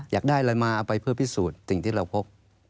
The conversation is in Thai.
อยากได้อะไรมาเอาไปเพื่อพิสูจน์สิ่งที่เราพบ